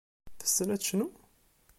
Tessen ad tecnu?